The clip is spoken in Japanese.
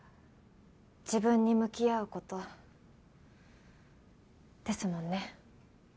自分に向き合う事ですもんね。